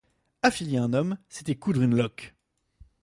Affilier un homme, c’était coudre une loque.